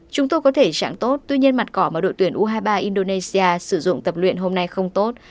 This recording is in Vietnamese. chúng tôi có thể trạng tốt tuy nhiên mặt cỏ mà đội tuyển u hai mươi ba indonesia sử dụng tập luyện hôm nay không tốt